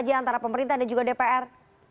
ada pertanyaan dari pemerintah dan juga dpr